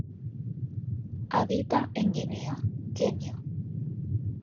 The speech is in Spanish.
Habita en Guinea, Kenia.